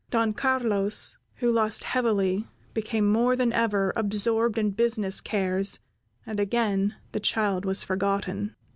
Don Carlos, who lost heavily, became more than ever absorbed in business cares, and again the child was forgotten.